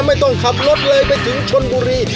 ไม่ต้องขับรถเลยไปถึงชนบุรี